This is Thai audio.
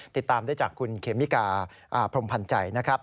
ติดตามได้จากคุณเคมิกาพรมพันธ์ใจนะครับ